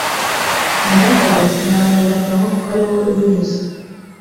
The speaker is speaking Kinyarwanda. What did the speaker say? narahoze sinabumbura akanwa kuko ari wowe wabivuze